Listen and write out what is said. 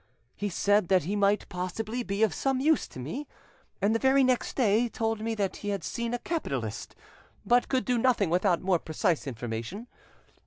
He said that he might possibly be of some use to me, and the very next day told 'me that he had seen a capitalist, but could do nothing without more precise information.